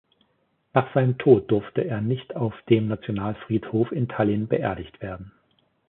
Nach seinem Tod durfte er nicht auf dem Nationalfriedhof in Tallinn beerdigt werden.